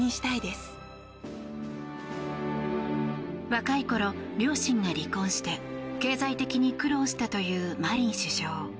若いころ、両親が離婚して経済的に苦労したというマリン首相。